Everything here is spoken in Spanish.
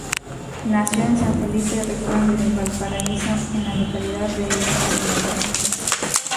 Nació en San Felipe, Región de Valparaíso, en la localidad de El Almendral.